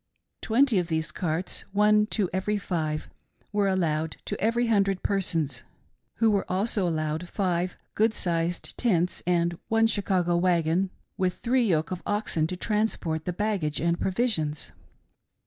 Twenty of these carts — one to. every five — were allowed to every hundred persons, who were also allowed five good sized tents, and one Chicago wagon, with three yoke of oxen to transport the baggage and provis ions.